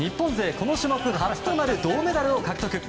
この種目初となる銅メダルを獲得。